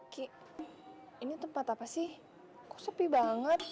ki ini tempat apa sih kok sepi banget